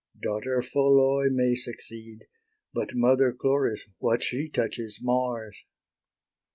Daughter Pholoe may succeed, But mother Chloris what she touches mars.